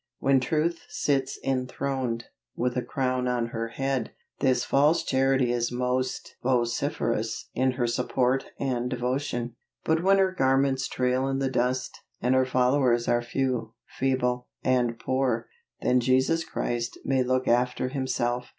When Truth sits enthroned, with a crown on her head, this false Charity is most vociferous in her support and devotion; but when her garments trail in the dust, and her followers are few, feeble, and poor, then Jesus Christ may look after Himself.